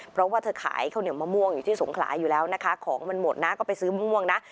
เพราะว่าเธอขายข้าวเหนียวมะม่วงอยู่ที่สงขลาอยู่แล้วนะคะของมันหมดนะก็ไปซื้อม่วงนะ